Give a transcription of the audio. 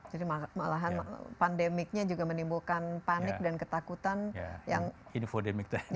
jadi malahan pandemiknya juga menimbulkan panik dan ketakutan yang infodemic itu sendiri